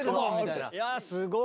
いやすごい！